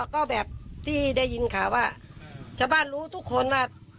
ก็แบบที่ได้ยินข่าวว่าชาวบ้านรู้ทุกคนว่า